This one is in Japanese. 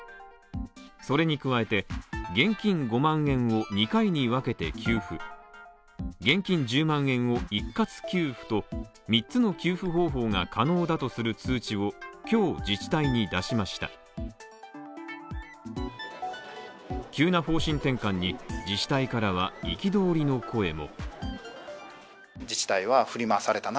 それに加えて現金５万円を２回に分けて給付現金１０万円を一括給付と３つの給付方法が可能だとする通知を今日自治体に出しました急な方針転換に、自治体からは憤りの声も。